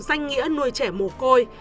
danh nghĩa nuôi trẻ mồ côi